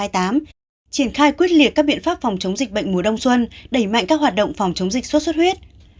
triển khai quyết liệt các biện pháp phòng chống dịch bệnh mùa đông xuân đẩy mạnh các hoạt động phòng chống dịch sốt xuất huyết